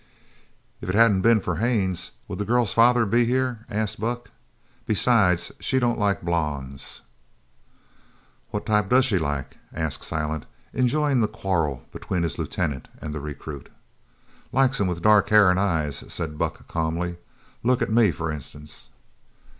"If it hadn't been for Haines, would the girl's father be here?" asked Buck. "Besides, she don't like blonds." "What type does she like?" asked Silent, enjoying the quarrel between his lieutenant and the recruit. "Likes 'em with dark hair an' eyes," said Buck calmly. "Look at me, for instance!"